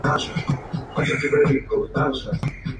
A menudo se considera el plato nacional de Irak.